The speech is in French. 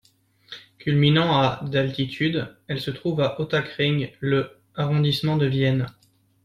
Culminant à d'altitude, elle se trouve à Ottakring, le arrondissement de Vienne.